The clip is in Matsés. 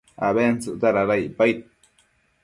abentsëcta dada icpaid